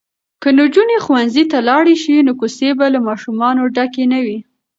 که نجونې ښوونځي ته لاړې شي نو کوڅې به له ماشومانو ډکې نه وي.